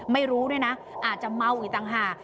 ไม่รู้ด้วยนะอาจจะเมาอีกต่างหาก